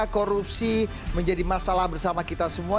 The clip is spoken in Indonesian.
korupsi menjadi masalah bersama kita semua